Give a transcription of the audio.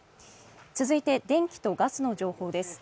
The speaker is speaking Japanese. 続いて電気とガスの情報です。